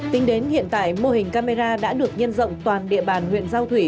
tính đến hiện tại mô hình camera đã được nhân rộng toàn địa bàn huyện giao thủy